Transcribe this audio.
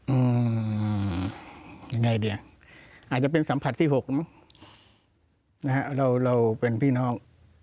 อืมยังไงดีอาจจะเป็นสัมผัสที่๖นะเราเป็นพี่น้อง